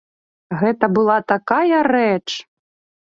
Гэта была такая рэч!